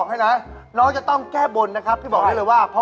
กลับมาแล้วเหรอ